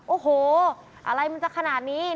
โอ้โหอะไรมันจะขนาดนี้